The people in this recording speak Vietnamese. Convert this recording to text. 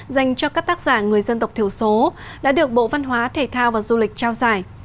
dành cho các tác giả người dân tộc thiểu số đã được bộ văn hóa thể thao và du lịch trao giải